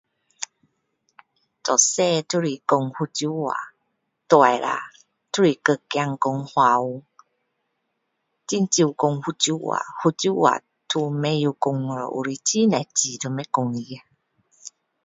从小都是说福州话大下都是跟孩子说华语很少说福州话福州话都不会说了有些很多字都不会说啊